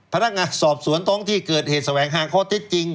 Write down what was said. พนักงานสอบสวนท้องที่เกิดเหตุแสวงหาข้อเท็จจริง